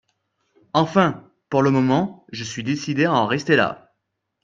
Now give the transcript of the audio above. Enfin ! pour le moment, je suis décidée à en rester là !